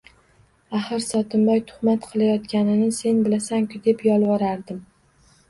Axir, Sotimboy tuhmat qilayotganini sen bilasan-ku!” deb yolvorardim.